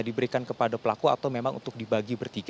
diberikan kepada pelaku atau memang untuk dibagi bertiga